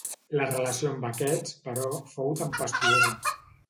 La relació amb aquests, però, fou tempestuosa.